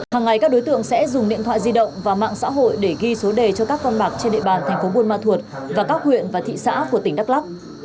hàng ngày các đối tượng sẽ dùng điện thoại di động và mạng xã hội để ghi số đề cho các con bạc trên địa bàn thành phố buôn ma thuột và các huyện và thị xã của tỉnh đắk lắc